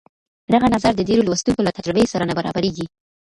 دغه نظر د ډېرو لوستونکو له تجربې سره نه برابرېږي.